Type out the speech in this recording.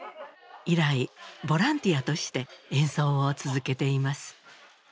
以来ボランティアとして演奏を続けています。